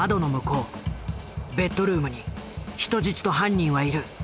ベッドルームに人質と犯人はいる。